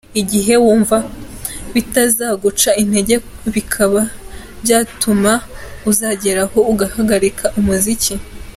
Igihe : Wumva bitazaguca intege bikaba byatuma uzageraho ugahagarika umuziki ?.